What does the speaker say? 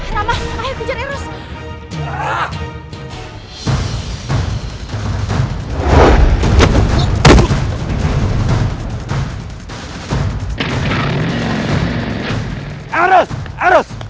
ramah ayo kejar eros